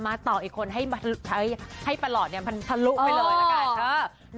มาต่ออีกแล้วให้ปลอดเนี่ยทรลุไปเลยละกัน